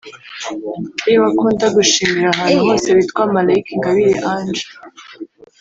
ariwe akunda gushimira ahantu hose witwa Malaika Ingabire Ange